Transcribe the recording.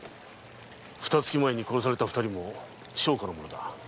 二月前に殺された二人も商家の者だ。